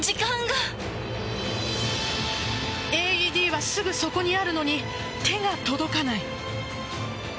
ＡＥＤはすぐそこにあるのに手が届かない。